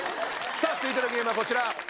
さあ続いてのゲームはこちら。